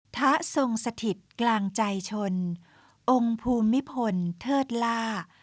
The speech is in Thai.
พระทรงสถิตกลางใจชนองค์ภูมิพลเทิดล่า